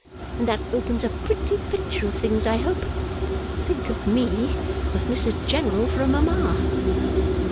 And that opens a pretty picture of things, I hope? Think of me with Mrs General for a Mama!